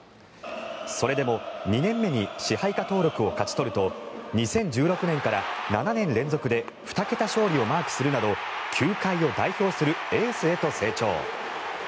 それでも２年目に支配下登録を勝ち取ると２０１６年から７年連続で２桁勝利をマークするなど球界を代表するエースへと成長。